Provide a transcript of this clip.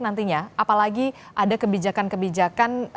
nantinya apalagi ada kebijakan kebijakan